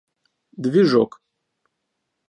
Движок